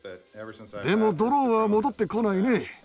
でもドローンは戻ってこないね。